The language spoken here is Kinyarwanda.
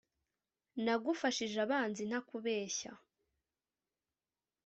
Nagufashije abanzi ntakubeshya,